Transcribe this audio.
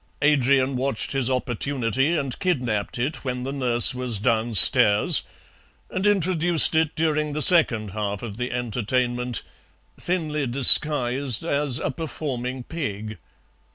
Adrian watched his opportunity and kidnapped it when the nurse was downstairs, and introduced it during the second half of the entertainment, thinly disguised as a performing pig.